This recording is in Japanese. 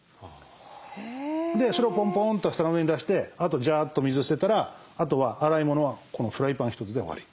でそれをポンポンと皿の上に出してあとジャーッと水捨てたらあとは洗い物はこのフライパン一つで終わり。